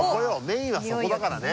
メインはそこだからね。